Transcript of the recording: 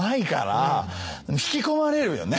引き込まれるよね。